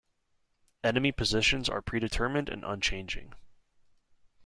Enemy positions are predetermined and unchanging.